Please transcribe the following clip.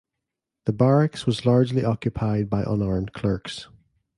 The Barracks was largely occupied by unarmed clerks.